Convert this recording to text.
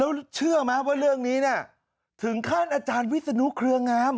แล้วเชื่อไหมว่าเรื่องนี้เนี่ยถึงขั้นอาจารย์วิศนุเครืองาม